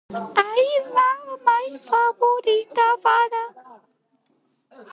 საქონელში საფასურის გადაუხდელობის პრობლემას უბილეთო მგზავრის პრობლემა ეწოდება.